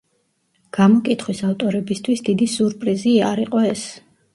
გამოკითხვის ავტორებისთვის დიდი სიურპრიზი არ იყო ეს.